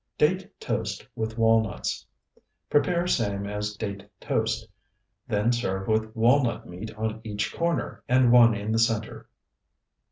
DATE TOAST WITH WALNUTS Prepare same as date toast, then serve with walnut meat on each corner and one in the center.